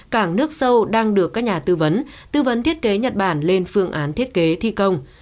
cảng nước sâu đang được các nhà tư vấn tư vấn thiết kế nhật bản lên phương án thiết kế thi công